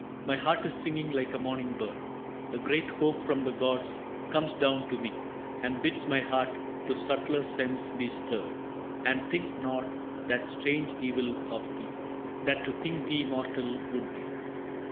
«My heart is singing like a morning bird. A great hope from the gods comes down to me And bids my heart to subtler sense be stirred And think not that strange evil of thee That to think thee mortal would be.